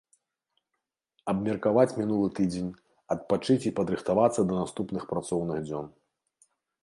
Абмеркаваць мінулы тыдзень, адпачыць і падрыхтавацца да наступных працоўных дзён.